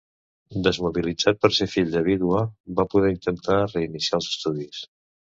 Desmobilitzat per ser fill de vídua, va poder intentar reiniciar els estudis.